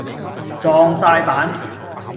撞哂板